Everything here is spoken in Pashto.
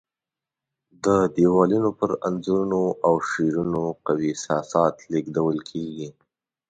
د دیوالونو پر انځورونو او شعرونو قوي احساسات لېږدول کېږي.